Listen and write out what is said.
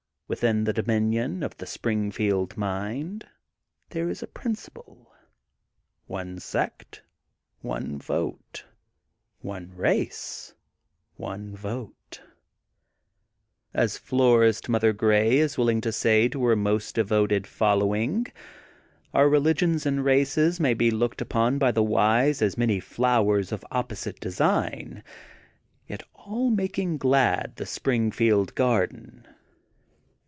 Within the dominion of the Springfield mind, there is a prin ciple: — one sect, one vote: one race, one vote. As florist Mother Grey is willing to say to her most devoted following *Our religions 284 THE GOLDEN BOOK OF SPRINGFIELD and races may be looked upon by the wise as many flowers of opposite design, yet all mak ing glad the Springfield garden.